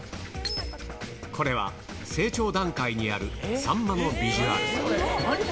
これは成長段階にあるさんまのビジュアル。